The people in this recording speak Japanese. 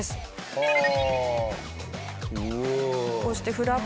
はあ！